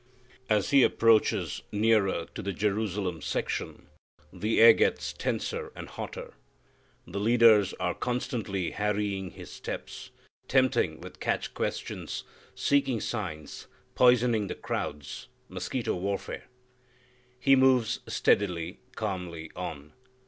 As He approaches nearer to the Jerusalem section the air gets tenser and hotter. The leaders are constantly harrying His steps, tempting with catch questions, seeking signs, poisoning the crowds mosquito warfare! He moves steadily, calmly on.